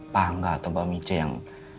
pak enggak atau pak mice yang